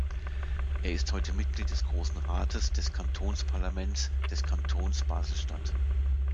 Er ist heute Mitglied des Grossen Rates, des Kantonsparlaments des Kantons Basel-Stadt.